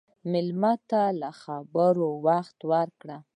مېلمه ته له خبرو وخت ورکړه.